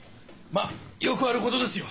まあよくあることですよ。